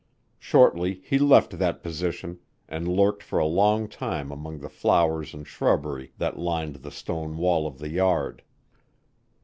Shortly he left that position and lurked for a time among the flowers and shrubbery that lined the stone wall of the yard.